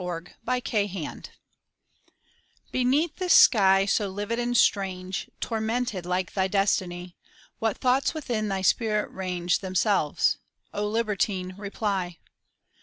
Magnetic Horror "Beneath this sky, so livid and strange, Tormented like thy destiny, What thoughts within thy spirit range Themselves? O libertine reply."